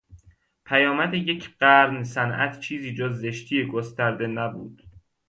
پیامد یک قرن صنعت چیزی جز زشتی گسترده نبود.